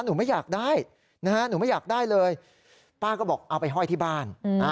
หนูไม่อยากได้นะฮะหนูไม่อยากได้เลยป้าก็บอกเอาไปห้อยที่บ้าน